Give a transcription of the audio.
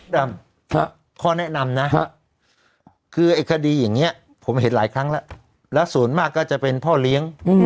ดำข้อแนะนำนะคือไอ้คดีอย่างนี้ผมเห็นหลายครั้งแล้วแล้วส่วนมากก็จะเป็นพ่อเลี้ยง